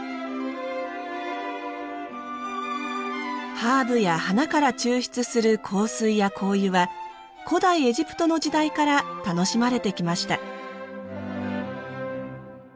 ハーブや花から抽出する香水や香油は古代エジプトの時代から楽しまれてきました。